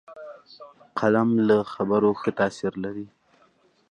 قلم له خبرو ښه تاثیر لري